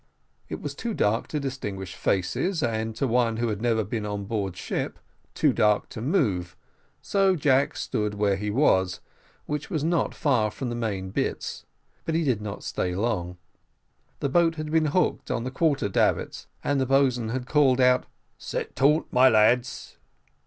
It was too dark to distinguish faces, and to one who had never been on board of a ship, too dark to move, so Jack stood where he was, which was not far from the main bitts; but he did not stay long; the boat had been hooked on to the quarter davits, and the boatswain had called out: "Set taut, my lads!"